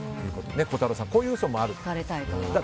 孝太郎さん、こういう嘘もあると。